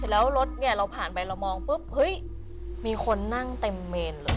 แล้วรถเนี่ยเราผ่านไปเรามองปุ๊บเฮ้ยมีคนนั่งเต็มเมนเลย